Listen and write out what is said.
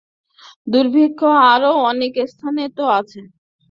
দুর্ভিক্ষ আরও অনেক স্থানে তো আছে।